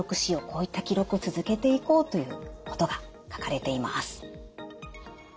こういった記録を続けていこうということが書かれています。